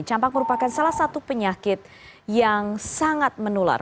campak merupakan salah satu penyakit yang sangat menular